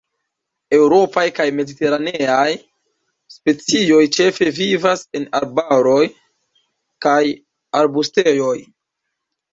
Eŭropaj kaj mediteraneaj specioj ĉefe vivas en arbaroj kaj arbustejoj.